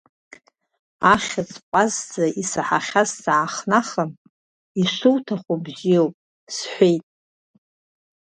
Ахьӡ ҟәазӡа исаҳаҳхьаз саахнахын, ишуҭаху бзиоуп, — сҳәеит.